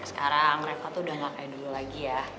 sekarang reva tuh udah gak kayak dulu lagi ya